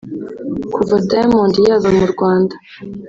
Kuva Diamond yava mu Rwanda